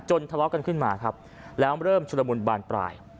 ทะเลาะกันขึ้นมาครับแล้วเริ่มชุดละมุนบานปลาย